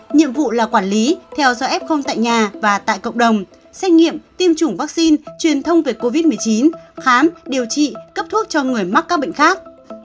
nhiệm vụ là quản lý theo dõi f tại nhà và tại cộng đồng xét nghiệm tiêm chủng vaccine truyền thông về covid một mươi chín khám điều trị cấp thuốc cho người mắc các bệnh khác